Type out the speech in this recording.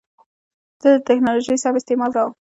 زه د ټکنالوژۍ سم استعمال کوم.